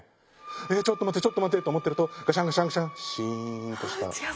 えっちょっと待ってちょっと待ってと思ってるとガシャンガシャンガシャンシーンとした。